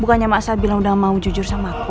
bukannya maksa bilang udah mau jujur sama aku